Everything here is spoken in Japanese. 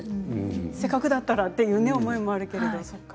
せっかくだったらという思いもありますけどね。